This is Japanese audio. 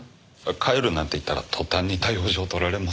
帰るなんて言ったら途端に逮捕状取られますよ。